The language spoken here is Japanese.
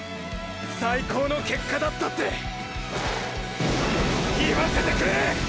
“最高の結果だった”って言わせてくれ！！